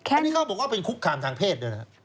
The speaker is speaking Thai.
อันนี้เขาบอกว่าเป็นคุกคามทางเพศด้วยนะครับ